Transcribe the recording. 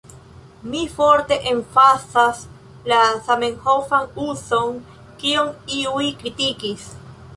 Mi forte emfazas la Zamenhofan uzon, kion iuj kritikis.